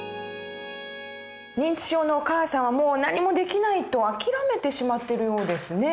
認知症のお母さんをもう何もできないと諦めてしまってるようですね。